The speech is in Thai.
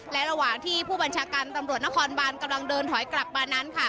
และระหว่างที่ผู้บัญชาการตำรวจนครบานกำลังเดินถอยกลับมานั้นค่ะ